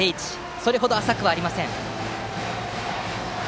それほど浅くはありません。